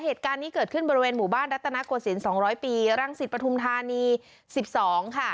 เหตุการณ์นี้เกิดขึ้นบริเวณหมู่บ้านรัฐตนาคกฎศิลป์สองร้อยปีรังศิษย์ปฐุมธานีสิบสองค่ะ